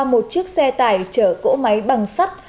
một chiếc xe tải chở cỗ máy bằng sắt